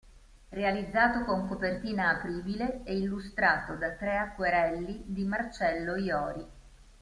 Realizzato con copertina apribile e illustrato da tre acquerelli di Marcello Jori.